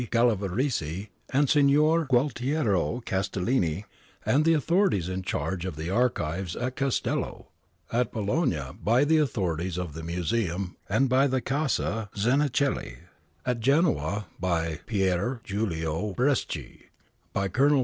Gallavresi and Signor Gualticro Castellini, and the authorities in charge of the archives in the Castcllo ; at Bologna by the authorities of the Museum and by the Casa Zanichelli ; at Genoa by Aw. Pier Giulio Breschi, by Col.